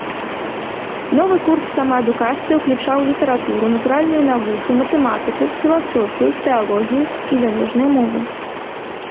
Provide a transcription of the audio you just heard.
Новы курс самаадукацыі уключаў літаратуру, натуральныя навукі, матэматыку, філасофію, тэалогію і замежныя мовы.